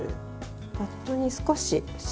バットに少し塩